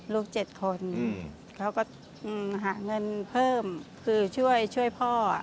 ลูก๗คนเขาก็หาเงินเพิ่มคือช่วยพ่อ